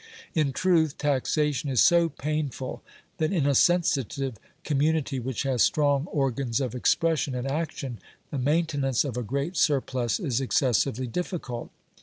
In truth taxation is so painful that in a sensitive community which has strong organs of expression and action, the maintenance of a great surplus is excessively difficult.